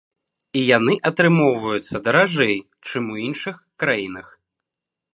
І яны атрымоўваюцца даражэй, чым у іншых краінах.